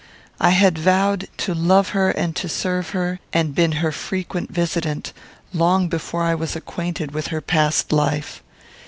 I had vowed to love her and serve her, and been her frequent visitant, long before I was acquainted with her past life.